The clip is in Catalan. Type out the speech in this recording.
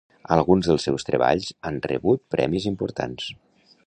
Alguns dels seus treballs han rebut premis importants.